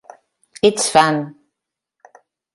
It's fun!